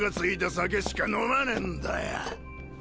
酒しか飲まねぇんだよ。